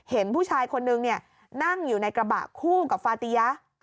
เห็นผู้ชายคนนึงนั่งอยู่ในกระบะคู่กับฟาติยะ